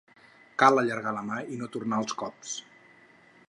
Cal allargar la mà i no tornar els cops.